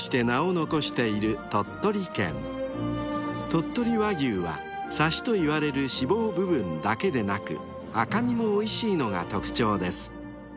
［鳥取和牛はさしといわれる脂肪部分だけでなく赤身もおいしいのが特徴です］